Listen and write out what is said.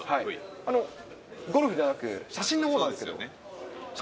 ゴルフじゃなく、写真のほうなんですけど。